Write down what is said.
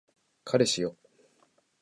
彼氏よ